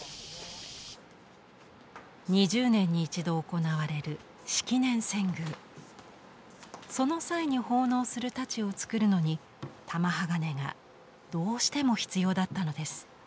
２０年に一度行われるその際に奉納する太刀をつくるのに玉鋼がどうしても必要だったのです。